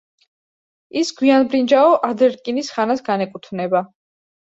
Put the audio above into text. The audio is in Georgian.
ის გვიანბრინჯაო-ადრერკინის ხანას განეკუთვნება.